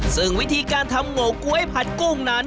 ซึ่งวิธีการทำโง่ก๊วยผัดกุ้งนั้น